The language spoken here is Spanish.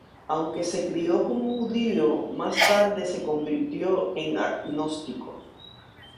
Aunque se crió como judío, más tarde se convirtió en agnóstico.